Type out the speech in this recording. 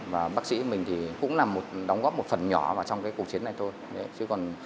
và bác sĩ mình cũng là một đóng góp một phần nhỏ vào trong cuộc chiến này thôi